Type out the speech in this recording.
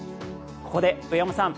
ここで、上山さん